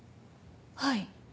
はい。